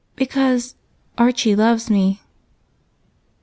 "Because Archie loves me."